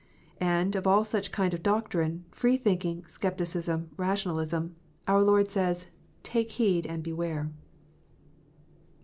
And of all such kind of doctrine, free thinking, scepticism, rationalism, our Lord says, " Take heed and beware."